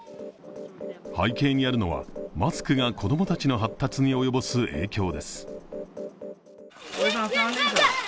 背景にあるのはマスクが子供たちの発達に及ぼす影響です。